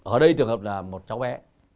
ở đây trường hợp là một cháu bé